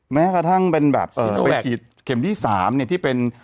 แม้กระทั่งเป็นแบบไปฉีดเข็มที่๓เนี่ยที่เป็น